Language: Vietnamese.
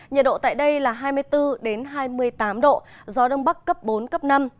nhiệt độ tại đây là hai mươi bốn hai mươi tám độ gió đông bắc cấp bốn cấp năm